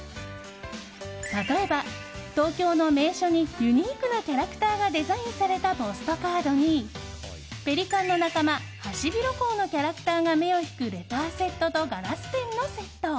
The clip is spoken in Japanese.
例えば、東京の名所にユニークなキャラクターがデザインされたポストカードにペリカンの仲間、ハシビロコウのキャラクターが目を引くレターセットとガラスペンのセット。